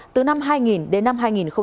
từ năm hai nghìn đến năm hai nghìn một mươi chín